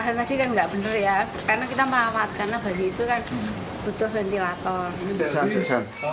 karena kita merawat karena bayi itu kan butuh ventilator